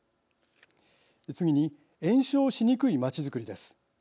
次に延焼しにくい街づくりです。